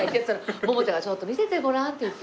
桃ちゃんがちょっと見せてごらんって言って。